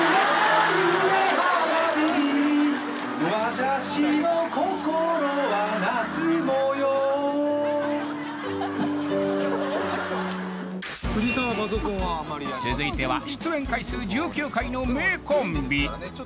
私の心は夏模様続いては出演回数１９回の名コンビ！